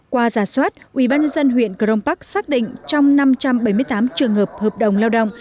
qua giả soát ubnd huyện crong park xác định trong năm trăm bảy mươi tám trường hợp hợp đồng lao động